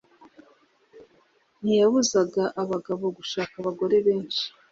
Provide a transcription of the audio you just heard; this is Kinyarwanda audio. Ntiyabuzaga abagabo gushaka abagore benshi